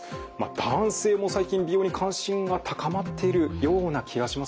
男性も最近美容に関心が高まってるような気がしますよね。